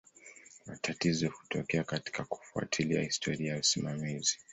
Matatizo hutokea katika kufuatilia historia ya usimamizi.